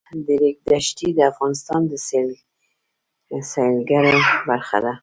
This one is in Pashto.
د ریګ دښتې د افغانستان د سیلګرۍ برخه ده.